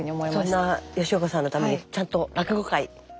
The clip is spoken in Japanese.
そんな吉岡さんのためにちゃんと落語会カメラ回しておきました。